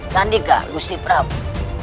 sandika gusti prabu